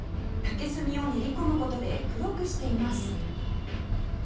竹炭を練り込む事で黒くしています